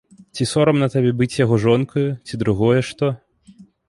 Ці сорамна табе быць яго жонкаю, ці другое што?